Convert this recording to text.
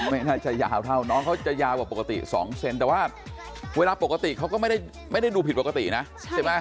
ไม่น่าจะยาวเท่าน้องเขาจะยาวกว่าปกติ๒เซนแต่ว่าเวลาปกติเขาก็ไม่ได้ดูผิดปกตินะใช่ไหม